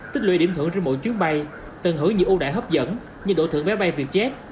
tích lưu ý điểm thưởng trên mỗi chuyến bay tận hưởng nhiều ưu đãi hấp dẫn như đổ thưởng vé bay vietjet